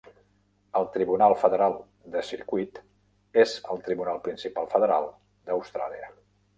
El Tribunal Federal de Circuit és el tribunal principal federal d'Austràlia.